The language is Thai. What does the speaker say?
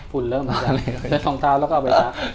ฝุ่นเลอะเหมือนกันเลย